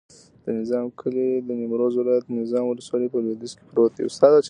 د نظام کلی د نیمروز ولایت، نظام ولسوالي په لویدیځ کې پروت دی.